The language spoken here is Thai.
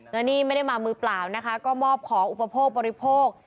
แล้วนี่ไม่ได้มามือเปล่านะคะก็มอบของอุปโภคบริโภค